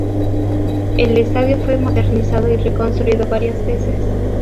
El estadio fue modernizado y reconstruido varias veces.